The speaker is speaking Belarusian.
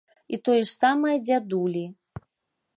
І тое ж самае дзядулі.